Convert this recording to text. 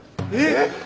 えっ！？